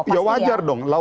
ya wajar dong